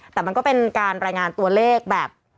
แต่มันก็เป็นการรายงานตัวเลขแบบ